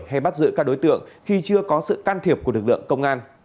hay bắt giữ các đối tượng khi chưa có sự can thiệp của lực lượng công an